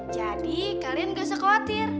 jadi kalian gak usah khawatir